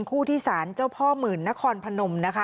คู่ที่สานเจ้าพ่อเหมือนนครพนม